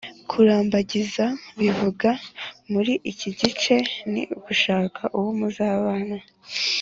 Kurambagiza bivugwa muri iki gice ni ugushaka uwo muzabana